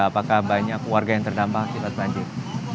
apakah banyak warga yang terdampak akibat banjir